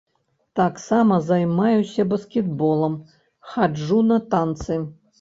Таксама займаюся баскетболам, хаджу на танцы.